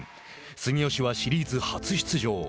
住吉はシリーズ初出場。